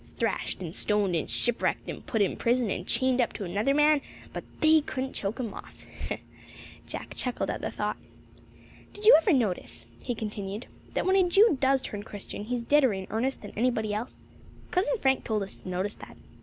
Thrashed and stoned, and shipwrecked and put in prison, and chained up to another man but they couldn't choke him off!" Jack chuckled at the thought. "Did you ever notice," he continued, "that when a Jew does turn Christian he's deader in earnest than anybody else? Cousin Frank told us to notice that.